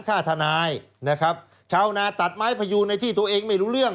ทนายนะครับชาวนาตัดไม้พยูนในที่ตัวเองไม่รู้เรื่อง